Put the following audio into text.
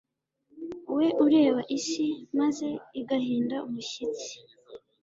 we ureba isi, maze igahinda umushyitsi